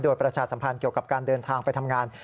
โดยประชาสัมพันธ์เกี่ยวกับการเดินทางไปทำงาน